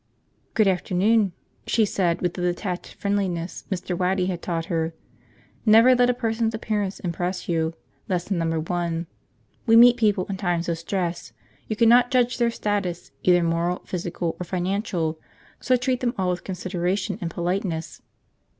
... "Good afternoon," she said with the detached friendliness Mr. Waddy had taught her. Never let a person's appearance impress you, lesson number one; we meet people in times of stress, you cannot judge their status, either moral, physical, or financial, so treat them all with consideration and politeness.